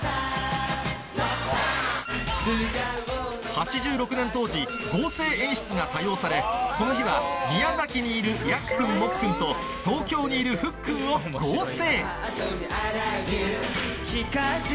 ８６年当時合成演出が多用されこの日は宮崎にいるヤッくんモッくんと東京にいるフッくんを合成